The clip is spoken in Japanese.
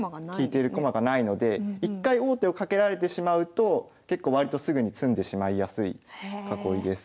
利いてる駒がないので一回王手をかけられてしまうと結構割とすぐに詰んでしまいやすい囲いです。